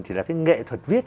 chỉ là cái nghệ thuật viết